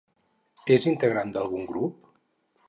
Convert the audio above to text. És integrant d'algun grup?